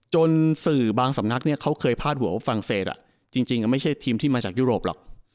จนสื่อบางสำนักเนี่ยเขาเคยพาดหัวว่าฝรั่งเศสจริงไม่ใช่ทีมที่มาจากยุโรปหรอก